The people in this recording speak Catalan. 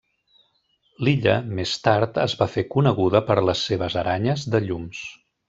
L'illa, més tard, es va fer coneguda per les seves aranyes de llums.